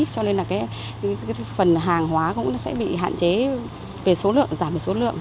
cho nên là cái phần hàng hóa cũng sẽ bị hạn chế về số lượng giảm về số lượng